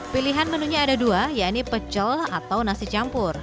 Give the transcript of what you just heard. pilihan menunya ada dua yaitu pecel atau nasi campur